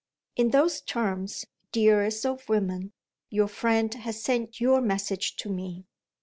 In those terms, dearest of women, your friend has sent your message to me.